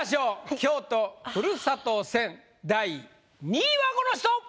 京都ふるさと戦第２位はこの人！